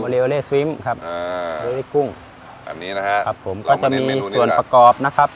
โอเลโอเลสวิมป์ครับโอเลโอเลกุ้งแบบนี้นะครับครับผมก็จะมีส่วนประกอบนะครับ